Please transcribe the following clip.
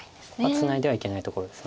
ツナいではいけないところです。